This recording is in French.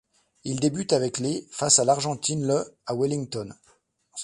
Il débute avec les ' face à l'Argentine le à Wellington.